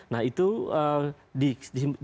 nah itu disimpulkan bahwa